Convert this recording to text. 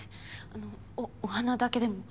あのお花だけでも。